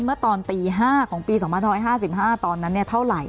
เมื่อตอนปี๕๕๕๕ตอนนั้นเท่าไหร่